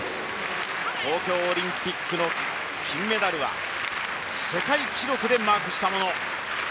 東京オリンピックの金メダルは世界記録でマークしたもの。